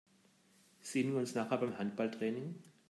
Sehen wir uns nachher beim Handballtraining?